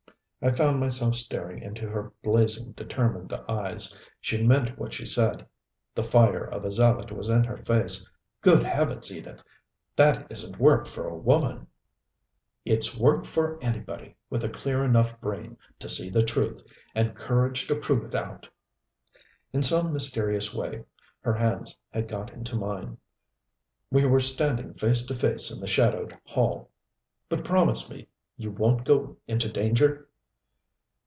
I found myself staring into her blazing, determined eyes. She meant what she said. The fire of a zealot was in her face. "Good Heavens, Edith! That isn't work for a woman " "It's work for anybody, with a clear enough brain to see the truth, and courage to prove it out " In some mysterious way her hands had got into mine. We were standing face to face in the shadowed hall. "But promise me you won't go into danger!"